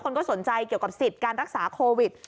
คนก็สนใจเกี่ยวกับสิทธิ์การรักษาโควิด